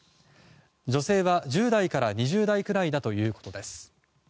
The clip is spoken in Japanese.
女性は１０代から２０代くらいだということです。